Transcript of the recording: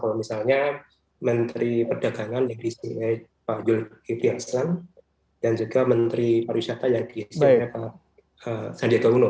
kalau misalnya menteri perdagangan yang disini pak yul giri akslan dan juga menteri pariwisata yang disini pak sandiato uno